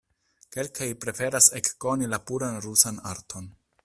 Kelkaj preferas ekkoni la puran rusan arton.